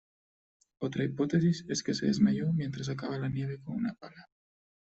Otra hipótesis es que se desmayó mientras sacaba la nieve con una pala.